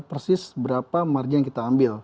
persis berapa margin yang kita ambil